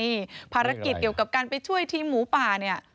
นี่ภารกิจเกี่ยวกับการไปช่วยทีมหมูป่าเนี่ย